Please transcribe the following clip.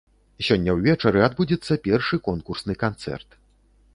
Сёння ўвечары адбудзецца першы конкурсны канцэрт.